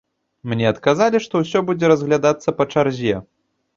Мне адказалі, што ўсё будзе разглядацца па чарзе.